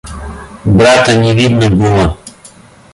Брата не видно было.